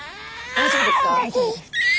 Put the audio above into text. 大丈夫です。